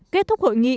kết thúc hội nghị